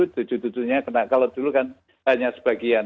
di tujuh tujuh tujuh nya kena kalau dulu kan hanya sebagian